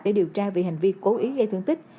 để điều tra về hành vi cố ý gây thương tích